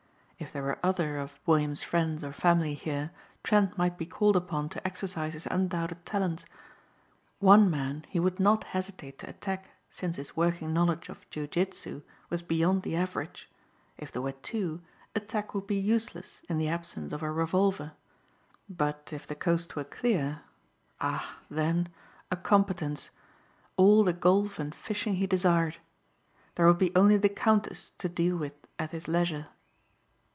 If there were other of Williams' friends or family here Trent might be called upon to exercise his undoubted talents. One man he would not hesitate to attack since his working knowledge of jiu jitsu was beyond the average. If there were two, attack would be useless in the absence of a revolver. But if the coast were clear ah, then, a competence, all the golf and fishing he desired. There would be only the Countess to deal with at his leisure.